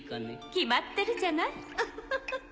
決まってるじゃないフフフ。